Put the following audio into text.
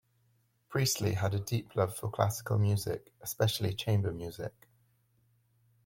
Priestley had a deep love for classical music especially chamber music.